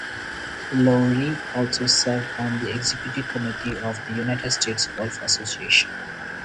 Lowery also served on the Executive Committee of the United States Golf Association.